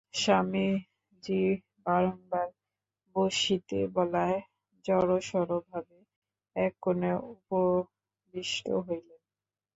স্বামীজী বারংবার বসিতে বলায় জড়সড়ভাবে এক কোণে উপবিষ্ট হইলেন।